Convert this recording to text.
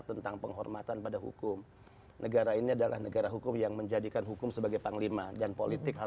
tentang penghormatan pada hukum negara ini adalah negara hukum yang menjadikan hukum sebagai panglima dan politik